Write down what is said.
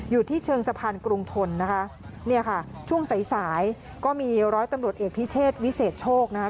อยู่ที่เชิงสะพานกรุงทนนะคะเนี่ยค่ะช่วงสายสายก็มีร้อยตำรวจเอกพิเชษวิเศษโชคนะคะ